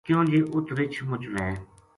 کیوں جے اُت رچھ مُچ وھے